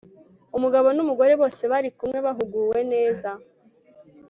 umugabo numugore bose bari kumwe bahuguwe neza